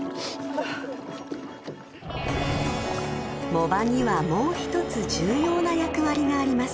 ［藻場にはもう一つ重要な役割があります］